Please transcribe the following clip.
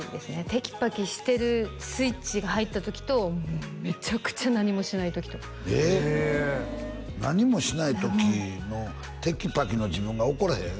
テキパキしてるスイッチが入った時とめちゃくちゃ何もしない時とへえ何もしない時のテキパキの自分が怒れへん？